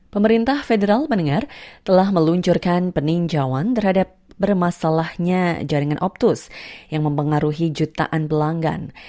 pemerintah federal mendengar telah meluncurkan peninjauan terhadap bermasalahnya jaringan optus yang mempengaruhi jutaan pelanggan